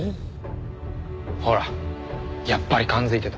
ほらやっぱり感づいてた。